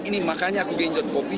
ini makanya aku genjot kopi